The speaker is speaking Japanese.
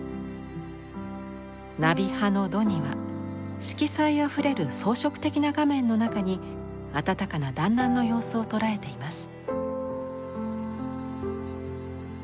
ナビ派のドニは色彩あふれる装飾的な画面の中に温かな団らんの様子を捉えています。